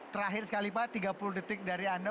terakhir sekali pak tiga puluh detik dari anda